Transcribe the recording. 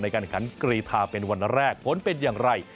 ในการแบ่งขายกีฬาเป็นวันแรกปนเป็นอย่างไร